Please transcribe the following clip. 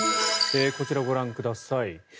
こちらをご覧ください。